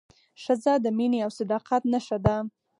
ښځه د مینې او صداقت نښه ده.